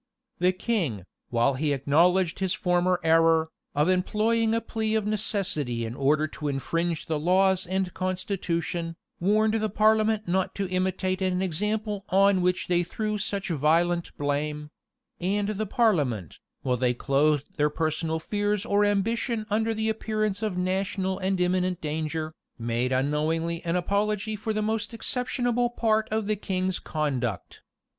The king, while he acknowledged his former error, of employing a plea of necessity in order to infringe the laws and constitution, warned the parliament not to imitate an example on which they threw such violent blame; and the parliament, while they clothed their personal fears or ambition under the appearance of national and imminent danger, made unknowingly an apology for the most exceptionable part of the king's conduct.